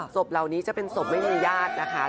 ศพเหล่านี้จะเป็นศพไม่มีญาตินะคะ